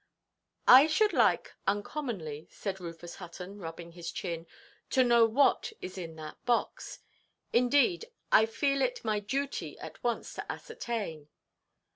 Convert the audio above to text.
"I should like uncommonly," said Rufus Hutton, rubbing his chin, "to know what is in that box. Indeed, I feel it my duty at once to ascertain."